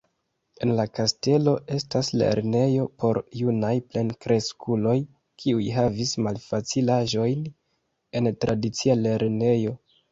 En la kastelo estas lernejo por junaj plenkreskuloj, kiuj havis malfacilaĵojn en tradicia lernejo.